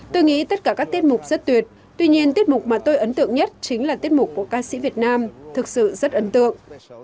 tôi nghĩ tất cả các tiết mục rất tuyệt tuy nhiên tiết mục mà tôi ấn tượng nhất chính là tiết mục của ca sĩ việt nam thực sự rất ấn tượng